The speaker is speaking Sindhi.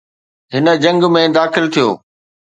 هن جنگ ۾ داخل ٿيو.